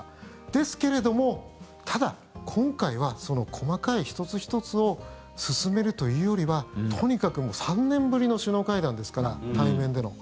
ですけれども、ただ、今回は細かい１つ１つを進めるというよりはとにかく３年ぶりの首脳会談ですから、対面での。